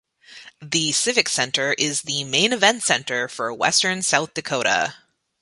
The Civic Center is the main event center for western South Dakota.